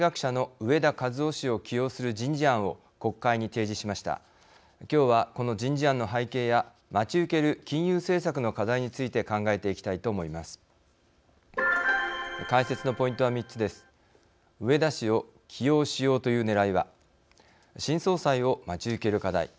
植田氏を起用しようというねらいは新総裁を待ち受ける課題